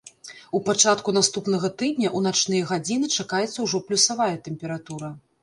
У пачатку наступнага тыдня ў начныя гадзіны чакаецца ўжо плюсавая тэмпература.